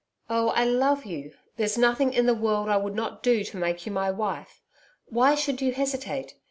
'Oh, I love you. There's nothing in the world I would not do to make you my wife. Why should you hesitate?